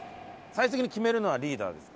最終的に決めるのはリーダーです。